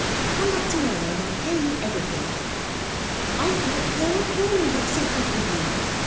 Come back to morrow and I'll pay you everything. I thought Colonel Crawley had settled with you.